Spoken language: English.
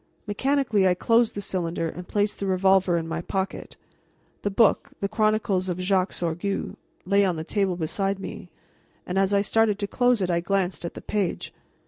Mechanically I closed the cylinder and placed the revolver in my pocket. The book, the Chronicles of Jacques Sorgue, lay on the table beside me, and as I started to close it I glanced at the page.